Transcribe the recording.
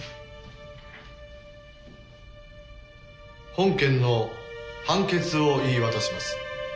本件の判決を言い渡します。